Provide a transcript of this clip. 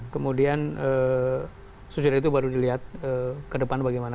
kemudian sesudah itu baru dilihat ke depan bagaimana